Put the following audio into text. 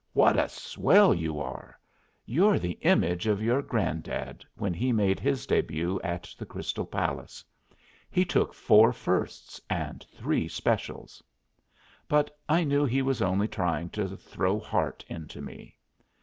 "Wot a swell you are! You're the image of your grand dad when he made his début at the Crystal Palace. He took four firsts and three specials." But I knew he was only trying to throw heart into me.